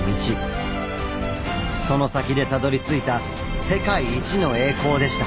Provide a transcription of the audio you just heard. その先でたどりついた世界一の栄光でした。